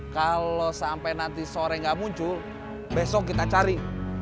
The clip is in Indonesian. kalau sampai nanti sore nggak muncul besok kita cari